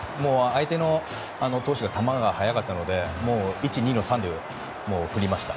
相手投手の球が速かったので１、２の３で振りました。